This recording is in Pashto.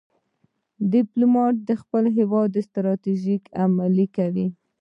ډيپلومات د خپل هېواد ستراتیژۍ عملي کوي.